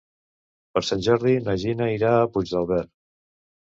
Per Sant Jordi na Gina irà a Puigdàlber.